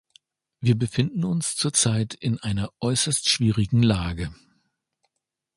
Wir befinden uns zurzeit in einer äußerst schwierigen Lage.